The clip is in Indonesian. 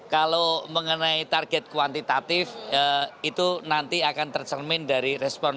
kalau mengenai target kuantitatif itu nanti akan tercermin dari respon